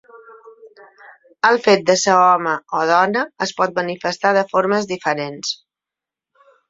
El fet de ser home o dona es pot manifestar de formes diferents.